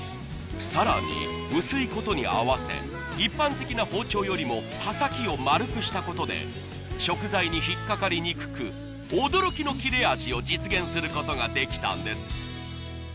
さらに薄いことに合わせ一般的な包丁よりも刃先を丸くしたことで食材に引っかかりにくく驚きの切れ味を実現することができたんです